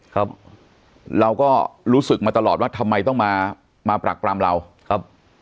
ครับเราก็รู้สึกมาตลอดว่าทำไมต้องมามาปรักปรำเราครับ